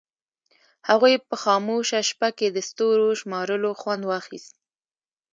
هغوی په خاموشه شپه کې د ستورو شمارلو خوند واخیست.